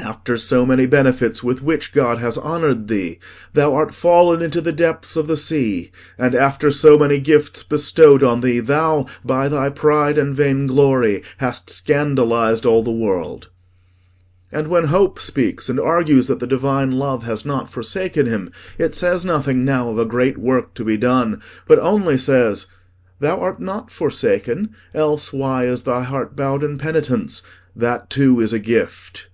After so many benefits with which God has honoured thee, thou art fallen into the depths of the sea; and after so many gifts bestowed on thee, thou, by thy pride and vainglory, hast scandalised all the world." And when Hope speaks and argues that the divine love has not forsaken him, it says nothing now of a great work to be done, but only says, "Thou art not forsaken, else why is thy heart bowed in penitence? That too is a gift."